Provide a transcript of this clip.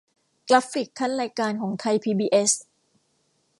กราฟิกคั่นรายการของไทยพีบีเอส